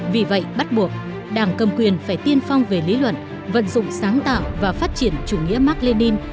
vì vậy bắt buộc đảng cầm quyền phải tiên phong về lý luận vận dụng sáng tạo và phát triển chủ nghĩa mark lenin